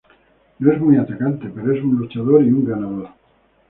No es muy atacante, pero es un luchador y un ganador.